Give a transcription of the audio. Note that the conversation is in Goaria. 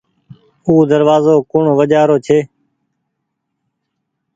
او دروآزو ڪوڻ وجهآ رو ڇي۔